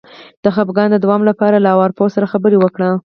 د خپګان د دوام لپاره له ارواپوه سره خبرې وکړئ